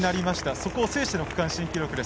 そこを制しての区間新記録です。